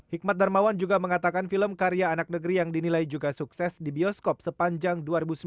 hikmat darmawan juga mengatakan film karya anak negeri yang dinilai juga sukses di bioskop sepanjang dua ribu sembilan belas